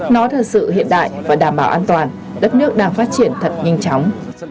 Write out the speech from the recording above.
nó thật sự hiện đại và đảm bảo an toàn đất nước đang phát triển thật nhanh chóng